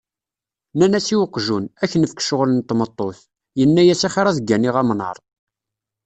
Nnan-as i uqjun, ad ak-nefk ccɣel n tmeṭṭut. Yenna-as, axir ad gganiɣ amnaṛ.